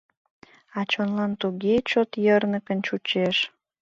А чонлан туге чот йырныкын чучеш.